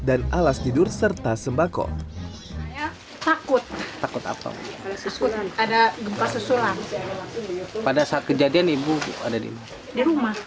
dan alas tidur serta sembako takut takut atau ada gempa sesulan pada saat kejadian ibu ada di rumah